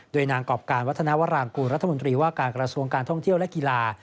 โดยนางกรอบการวัฒนาวรางกูลรัฐมนตรีว่าการกระทรวงการท่องเที่ยวและกีฬา